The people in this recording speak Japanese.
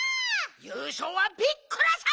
ゆうしょうはピッコラさん！